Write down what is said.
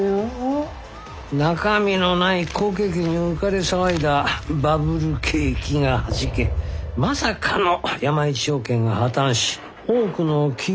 中身のない好景気に浮かれ騒いだバブル景気がはじけまさかの山一証券が破綻し多くの企業が潰れた。